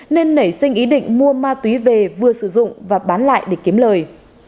nên nảy sinh ý định mua ma túy về vừa sử dụng và bán lại để kiếm lời